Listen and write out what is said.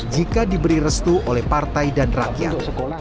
jika diberi restu oleh partai dan rakyat